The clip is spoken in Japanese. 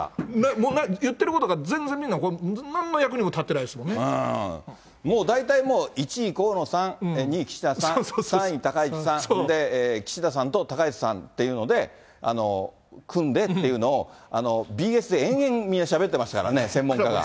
もう言ってることが全然みんななんの役にも立ってないですももう大体、１位河野さん、２位岸田さん、３位高市さん、岸田さんと高市さんっていうので組んでっていうのを、ＢＳで延々みんなしゃべってましたからね、専門家が。